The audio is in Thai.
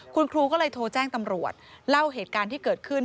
คุณครูก็เลยโทรแจ้งตำรวจเล่าเหตุการณ์ที่เกิดขึ้น